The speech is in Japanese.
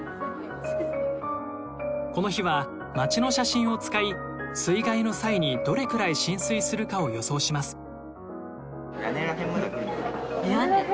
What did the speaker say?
この日は街の写真を使い水害の際にどれくらい浸水するかを予想します。